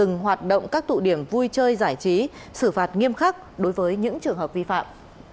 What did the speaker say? dừng hoạt động các tụ điểm vui chơi giải trí xử phạt nghiêm khắc đối với những trường hợp vi phạm